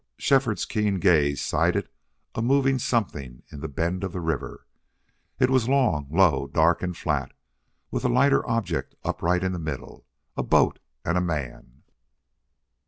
Shefford's keen gaze sighted a moving something in the bend of the river. It was long, low, dark, and flat, with a lighter object upright in the middle. A boat and a man!